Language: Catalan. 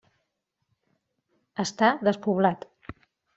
Està despoblat.